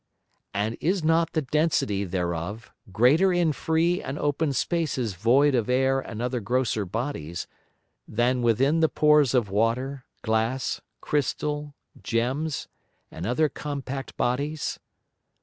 And is not the density thereof greater in free and open Spaces void of Air and other grosser Bodies, than within the Pores of Water, Glass, Crystal, Gems, and other compact Bodies?